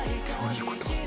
どういうこと？